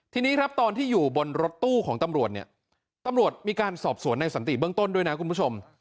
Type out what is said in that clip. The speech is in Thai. ทีนี้ครับตอนที่อยู่บนรถตู้ของตำรวจเนี่ยตำรวจมีการสอบสวนในสันติเบื้องต้นด้วยนะคุณผู้ชม